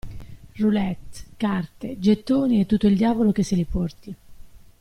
Roulette, carte, gettoni e tutto il diavolo che se li porti!